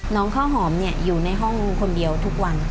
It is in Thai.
ข้าวหอมอยู่ในห้องคนเดียวทุกวัน